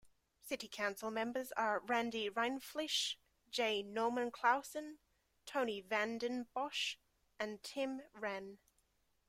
City council members are Randy Rindfleisch, J. Norman Clausen, Tony VandenBosch and Tim Wrenn.